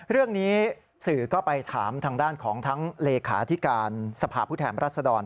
เรื่องนี้สื่อก็ไปถามทางด้านของทั้งเลขาธิการสภาพผู้แทนรัศดร